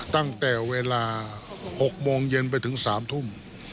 ตั้งแต่เวลา๖โมงเย็นไปถึง๓ทุ่ม